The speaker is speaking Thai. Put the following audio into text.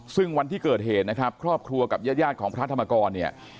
ซึ่งวันที่เกิดเหตุนะครับครอบครัวกับญาติของพระธรรมกรเนี่ย